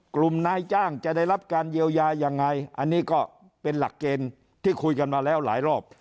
นายจ้างจะได้รับการเยียวยายังไงอันนี้ก็เป็นหลักเกณฑ์ที่คุยกันมาแล้วหลายรอบ